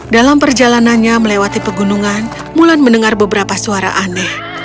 dalam perjalanannya melewati pegunungan mulan mendengar beberapa suara aneh